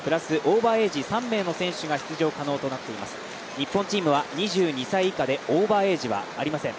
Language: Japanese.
日本チームは２２歳以下でオーバーエイジはありません。